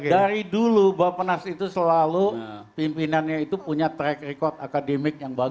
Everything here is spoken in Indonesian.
dari dulu bapak nas itu selalu pimpinannya itu punya track record akademik yang bagus